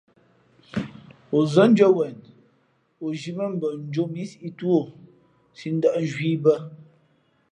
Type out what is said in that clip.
O zάndʉ̄ᾱ wen, o zhī mά mbα njō mǐ sǐʼ tú o, sī ndα̌ʼ nzhwīē i bᾱ.